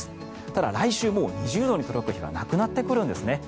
ただ、来週もう２０度に届く日がなくなってくるんですね。